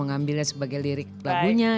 mengambilnya sebagai lirik lagunya